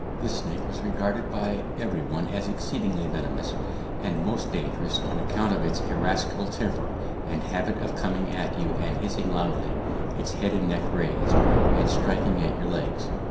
This snake was regarded by every one as exceedingly venomous and most dangerous on account of its irascible temper and habit of coming at you and hissing loudly, its head and neck raised, and striking at your legs.